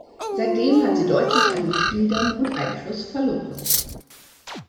Seitdem hat sie deutlich an Mitgliedern und Einfluss verloren.